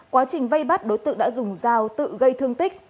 quá trình vây bắt đối tượng đã dùng dao tự gây thương tích